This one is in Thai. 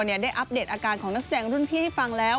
ได้อัปเดตอาการของนักแสดงรุ่นพี่ให้ฟังแล้ว